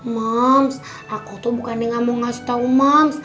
mams aku tuh bukan nih nggak mau ngasih tau mams